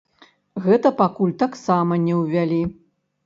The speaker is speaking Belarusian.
Гэта пакуль таксама не ўвялі.